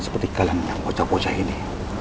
seperti kalian yang bocah bocah ini